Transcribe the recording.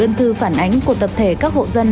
đơn thư phản ánh của tập thể các hộ dân